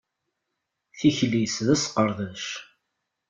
Tikli-s d asqeṛdec.